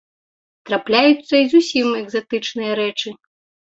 Трапляюцца і зусім экзатычныя рэчы.